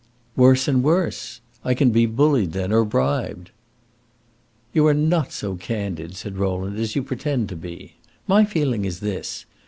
"Worse and worse. I can be bullied, then, or bribed!" "You are not so candid," said Rowland, "as you pretend to be. My feeling is this.